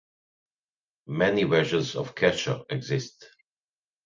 Many versions of cacho exist.